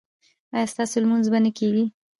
ایا ستاسو لمونځ به نه کیږي؟